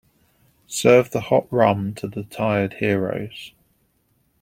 Serve the hot rum to the tired heroes.